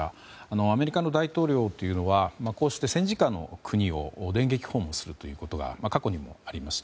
アメリカの大統領はこうして、戦時下の国を電撃訪問するということが過去にもありました。